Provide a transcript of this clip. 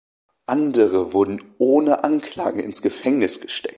Andere wurden ohne Anklage ins Gefängnis gesteckt.